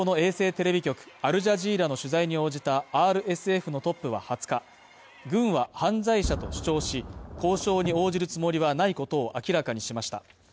テレビ局アルジャジーラの取材に応じたＲＳＦのトップは２０日軍は犯罪者と主張し交渉に応じるつもりはないことを明らかにしました。